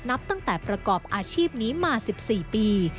นับตั้งแต่ประกอบอาชีพนี้มา๑๔ปี